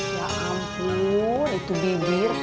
ya ampun itu bibir